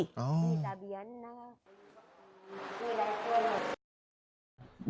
พี่ตะเบียนนะครับ